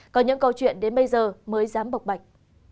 còn những câu chuyện đến bây giờ mới dám bọc bạch